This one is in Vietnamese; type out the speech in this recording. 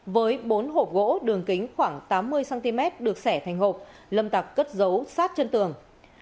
với bốn hộp gỗ đường kính khoảng tám mươi cm được sẻ thành hộp lâm tạc cất giấu sát chân tường